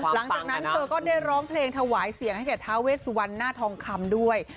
หลังจากนั้นเธอก็ได้ร้องเพลงถวายเสียงให้แก่ท้าเวสวันหน้าทองคำด้วย